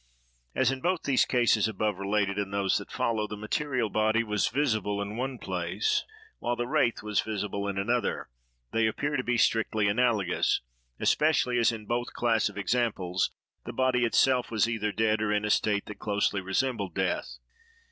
As in both these cases above related and those that follow, the material body was visible in one place, while the wraith was visible in another, they appear to be strictly analogous; especially, as in both class of examples, the body itself was either dead or in a state that closely resembled death.